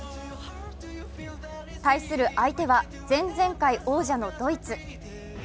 対する相手は前々回王者のドイツ。